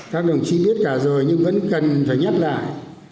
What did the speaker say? các đồng chí biết cả rồi nhưng vẫn cần phải nhắc lại